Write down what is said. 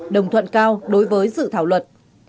đồng thuận cao đối với dự thảo luật